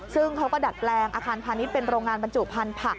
ซึ่งเขาก็ดัดแปลงอาคารพาณิชย์เป็นโรงงานบรรจุพันธุ์ผัก